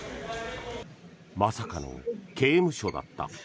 まさかの刑務所だった。